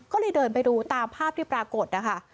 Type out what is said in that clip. ก็เลยเดินไปดูตามภาพที่ปรากฏนะคะ